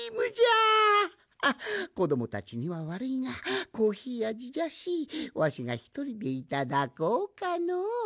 あっこどもたちにはわるいがコーヒーあじじゃしわしがひとりでいただこうかの。